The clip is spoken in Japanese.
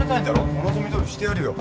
お望みどおりしてやるよ。